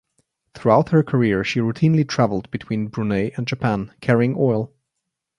Throughout her career she routinely traveled between Brunei and Japan carrying oil.